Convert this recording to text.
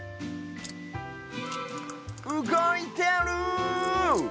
うごいてる！